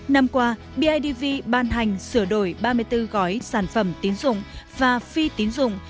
năm qua bidv ban hành sửa đổi ba mươi bốn gói sản phẩm tín dụng và phi tín dụng